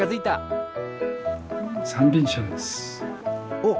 おっ！